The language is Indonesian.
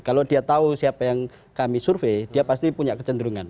kalau dia tahu siapa yang kami survei dia pasti punya kecenderungan